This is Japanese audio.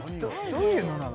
どういうのなの？